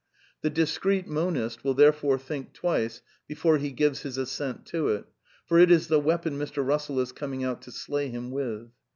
The discreet monist will therefore think l\ twice before he gives his assent to it, for it is the weapon V Mr. Russell is coming out to slay him with.